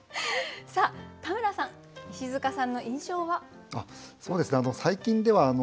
さあ田村さん石塚さんの印象は？